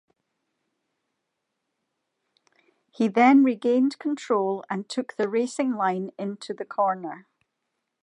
He then regained control and took the racing line into the corner.